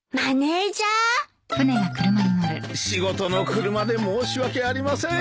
仕事の車で申し訳ありません。